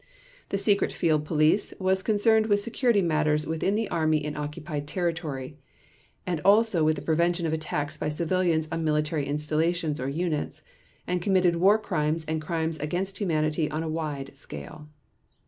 The Secret Field police was concerned with security matters within the Army in occupied territory, and also with the prevention of attacks by civilians on military installations or units, and committed War Crimes and Crimes against Humanity on a wide scale.